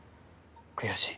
悔しい。